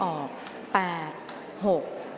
ออกรางวัลเลขหน้า๓ตัวครั้งที่๒